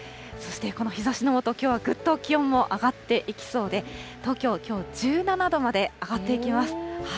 そしてこの日ざしの下、きょうはぐっと気温も上がっていきそうで、東京、きょう１７度まで上がっていきます。